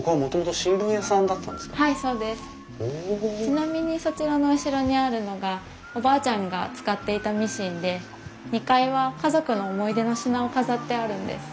ちなみにそちらの後ろにあるのがおばあちゃんが使っていたミシンで２階は家族の思い出の品を飾ってあるんです。